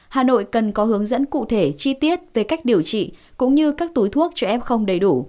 hà nội cần có hướng dẫn cụ thể chi tiết về cách điều trị cũng như các túi thuốc cho em không đầy đủ